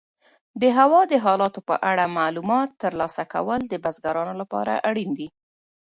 د هوا د حالاتو په اړه معلومات ترلاسه کول د بزګرانو لپاره اړین دي.